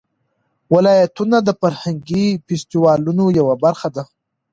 ولایتونه د فرهنګي فستیوالونو یوه برخه ده.